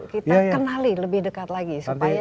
kita kenali lebih dekat lagi supaya